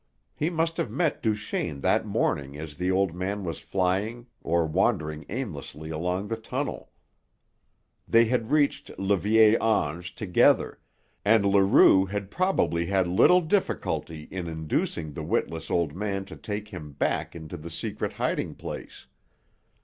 He must have met Duchaine that morning as the old man was flying or wandering aimlessly along the tunnel. They had reached le Vieil Ange together, and Leroux had probably had little difficulty in inducing the witless old man to take him back into the secret hiding place.